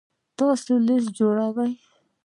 تاسو لیست جوړوئ؟